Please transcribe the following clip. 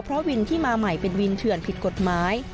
เพราะวินที่มาใหม่เป็นวินเถื่อนผิดกฎหมาย